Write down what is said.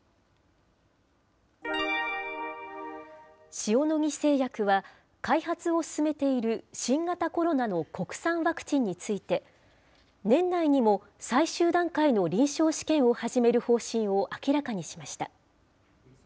塩野義製薬は、開発を進めている新型コロナの国産ワクチンについて、年内にも最終段階の臨床試験を始める方針を明らかにしました。